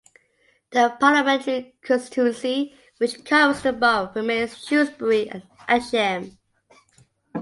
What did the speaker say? The Parliamentary constituency which covers the borough remains as Shrewsbury and Atcham.